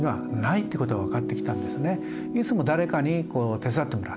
いつも誰かに手伝ってもらっている。